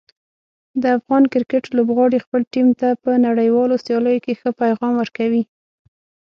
د افغان کرکټ لوبغاړي خپل ټیم ته په نړیوالو سیالیو کې ښه پیغام ورکوي.